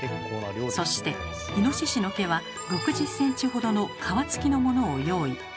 そしてイノシシの毛は６０ｃｍほどの皮つきのものを用意。